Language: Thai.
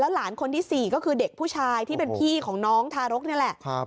แล้วหลานคนที่สี่ก็คือเด็กผู้ชายที่เป็นพี่ของน้องทารกเนี้ยแหละครับ